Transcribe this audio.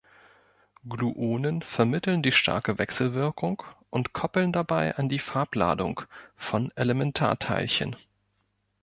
Gluonen vermitteln die starke Wechselwirkung und koppeln dabei an die Farbladung von Elementarteilchen.